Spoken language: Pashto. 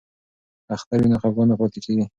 که اختر وي نو خفګان نه پاتیږي.